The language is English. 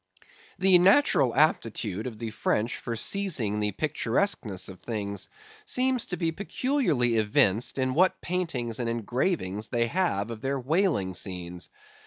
The natural aptitude of the French for seizing the picturesqueness of things seems to be peculiarly evinced in what paintings and engravings they have of their whaling scenes.